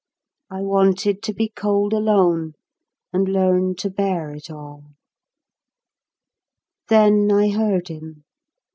I wanted to be cold alone, and learn to bear it all. Then I heard him.